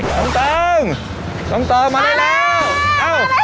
น้องตองน้องตองมาได้แล้ว